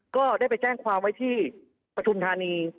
ก็ได้ไปแจ้งความไว้ที่ปฐุมธานี